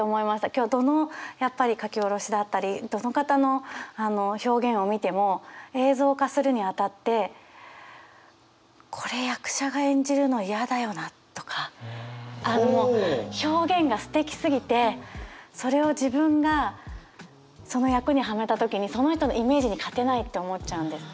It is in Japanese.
今日どの書き下ろしだったりどの方の表現を見ても映像化するにあたってとかあの表現がすてきすぎてそれを自分がその役にはめた時にその人のイメージに勝てないって思っちゃうんです。